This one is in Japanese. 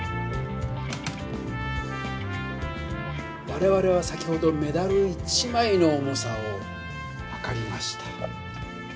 われわれは先ほどメダル１枚の重さをはかりました。